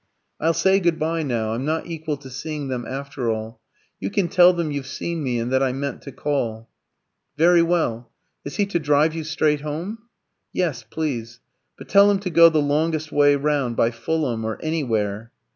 "I'll say good bye now. I'm not equal to seeing them, after all. You can tell them you've seen me, and that I meant to call." "Very well. Is he to drive you straight home?" "Yes, please. But tell him to go the longest way round, by Fulham or anywhere."